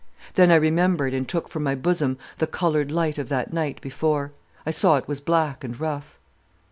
"Then I remembered and took from my bosom the coloured light of that night before. I saw it was black and rough.